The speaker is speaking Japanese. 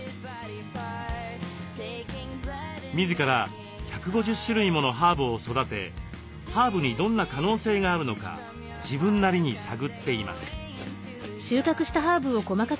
自ら１５０種類ものハーブを育てハーブにどんな可能性があるのか自分なりに探っています。